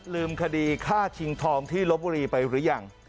ลืมคดีฆ่าชิงทองที่ลบบุรีไปหรือยัง